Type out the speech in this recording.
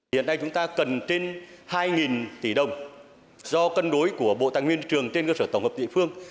hiện nay chúng ta cần trên hai tỷ đồng do cân đối của bộ tài nguyên trường trên cơ sở tổng hợp địa phương